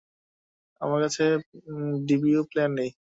আমার কাছে DVD player নেই।